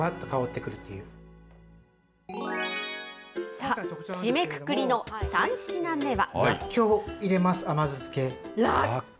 さあ、締めくくりの３品目は。